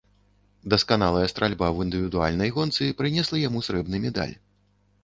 Дасканалая стральба ў індывідуальнай гонцы прынесла яму срэбны медаль.